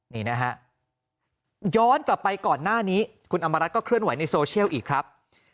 นี่นะฮะย้อนกลับไปก่อนหน้านี้คุณอำมารัฐก็เคลื่อนไหวในโซเชียลอีกครับ